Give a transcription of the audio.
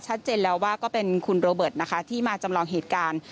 ชัดเจนแล้วว่าก็เป็นคุณโรเบิร์ตนะคะที่มาจำลองเหตุการณ์